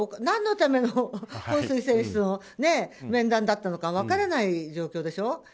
何のためのホウ・スイ選手との面談だったのか分からない状況でしょ。